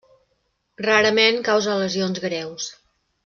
Rarament causa lesions greus.